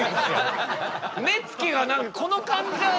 目つきが何かこのかんじゃ。